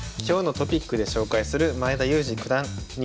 今日のトピックで紹介する前田祐司九段